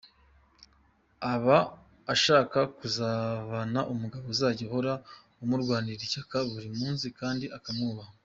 Aba ashaka kuzabana n’umugabo uzajya ahora amurwanira ishyaka buri munsi kandi akamwubaha.